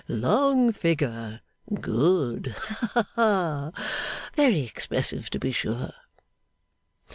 Long figure. Good. Ha. Very expressive to be sure!